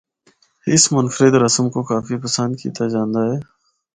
اس منفرد رسم کو کافی پسند کیتا جاندا اے۔